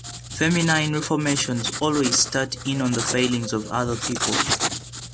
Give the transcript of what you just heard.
Feminine reformations always start in on the failings of other people.